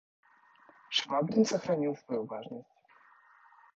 Швабрин сохранил свою важность.